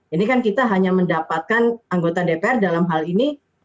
ini kan kita hanya mendapatkan anggota dpr dalam hal ini